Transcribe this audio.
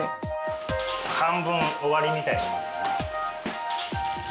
半分終わりみたいな。